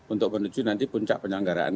untuk menuju nanti puncak penyelenggaraan